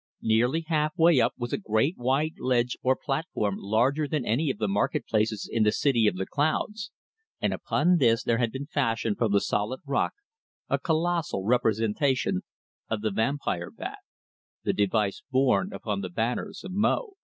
Nearly half way up was a great wide ledge or platform larger than any of the market places in the City in the Clouds, and upon this there had been fashioned from the solid rock a colossal representation of the vampire bat, the device borne upon the banners of Mo.